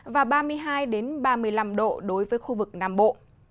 và ba mươi hai ba mươi năm độ đối với khu vực nam bộ